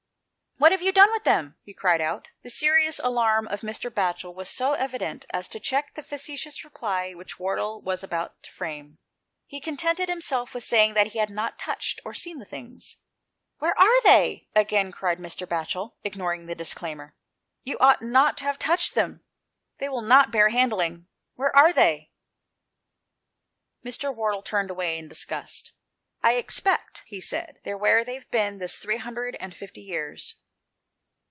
" What have you done with them ?" he cried out. The serious alarm of Mr. Batchel was so evident as to check the facetious reply which Wardle was about to frame. He contented himself with saying that he had not touched or seen the things. " Where are they ?" again cried Mr. Batchel, ignoring the disclaimer. "You ought not to have touched them, they will not bear handling. Where are they ?" Mr. Wardle turned away in disgust, "I expect," he said, "they're where they've been this three hundred and fifty years."